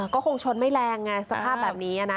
ก็คงชนไม่แรงไงสภาพแบบนี้นะ